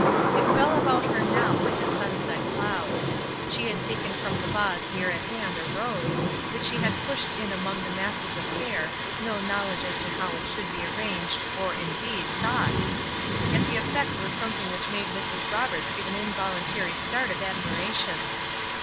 It fell about her now like a sunset cloud. She had taken from the vase near at hand a rose, which she had pushed in among the masses of hair, with no knowledge as to how it should be arranged, or, indeed, thought; yet the effect was something which made Mrs. Roberts give an involuntary start of admiration.